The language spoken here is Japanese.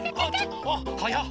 あはやっ！